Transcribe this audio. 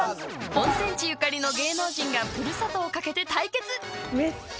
温泉地ゆかりの芸能人がふるさとをかけて対決！